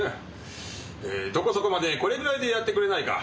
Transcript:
どこそこまでこれぐらいでやってくれないか。